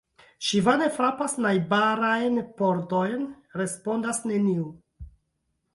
Ŝi vane frapas najbarajn pordojn; respondas neniu.